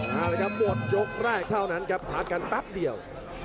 เอาละครับหมดยกแรกเท่านั้นครับพักกันแป๊บเดียว